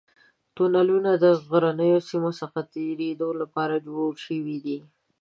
تونلونه د غرنیو سیمو څخه د تېرېدو لپاره جوړ شوي دي.